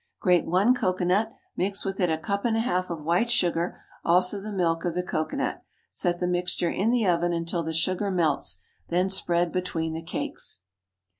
Grate one cocoanut; mix with it a cup and a half of white sugar, also the milk of the cocoanut. Set the mixture in the oven until the sugar melts; then spread between the cakes.